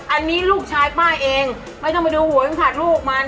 อันนี้ลูกชายป้าเองไม่ต้องมาดูหวนผักลูกมัน